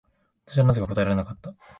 私はなぜか答えられなかった。